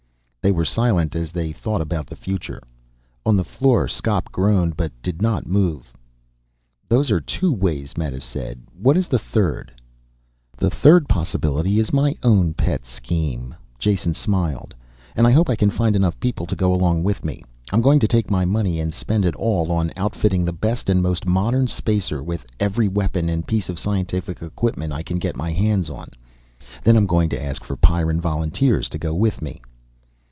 They were silent as they thought about the future. On the floor Skop groaned but did not move. "Those are two ways," Meta said. "What is the third?" "The third possibility is my own pet scheme," Jason smiled. "And I hope I can find enough people to go along with me. I'm going to take my money and spend it all on outfitting the best and most modern spacer, with every weapon and piece of scientific equipment I can get my hands on. Then I'm going to ask for Pyrran volunteers to go with me."